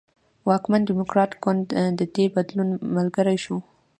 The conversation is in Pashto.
واکمن ډیموکراټ ګوند د دې بدلون ملګری شو.